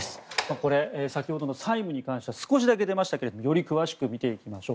これ、先ほどの債務に関して少しだけ出ましたけどより詳しく見ていきましょう。